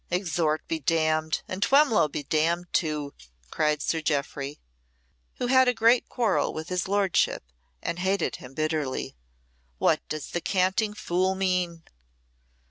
"Exhort be damned, and Twemlow be damned too!" cried Sir Jeoffry, who had a great quarrel with his lordship and hated him bitterly. "What does the canting fool mean?"